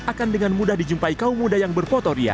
akan dengan mudah dijumpai kaum muda yang berfoto ria